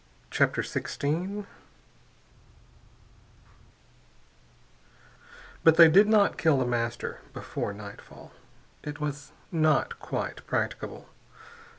CHAPTER XVI But they did not kill The Master before nightfall. It was not quite practicable.